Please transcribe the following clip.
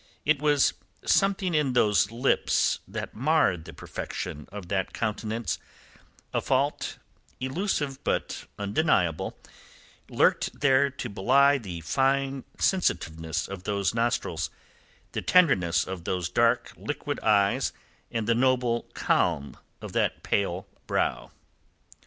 It was something in those lips that marred the perfection of that countenance; a fault, elusive but undeniable, lurked there to belie the fine sensitiveness of those nostrils, the tenderness of those dark, liquid eyes and the noble calm of that pale brow.